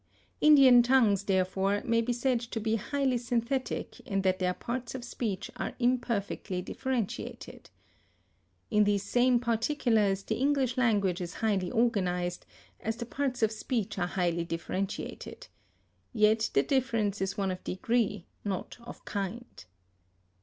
Indian tongues, therefore, may be said to be highly synthetic in that their parts of speech are imperfectly differentiated. In these same particulars the English language is highly organized, as the parts of speech are highly differentiated. Yet the difference is one of degree, not of kind.